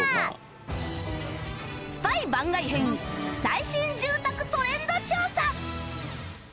スパイ番外編最新住宅トレンド調査！